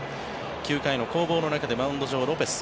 ９回の攻防の中でマウンド上はロペス。